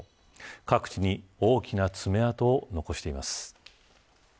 各地に大きな爪痕を残しています。